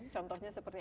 contohnya seperti apa ya